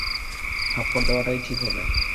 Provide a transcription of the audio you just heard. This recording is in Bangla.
থাপ্পড় দেওয়াটাই ঠিক হবে।